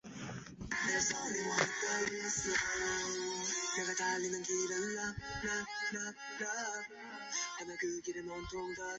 马尔平根是德国萨尔州的一个市镇。